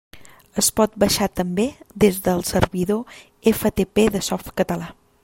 Es pot baixar també des del servidor FTP de Softcatalà.